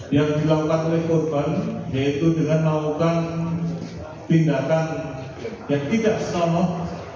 yang dilakukan oleh korban yaitu dengan melakukan tindakan yang tidak selamat